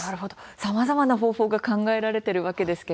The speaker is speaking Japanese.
さまざまな方法が考えられているわけですね。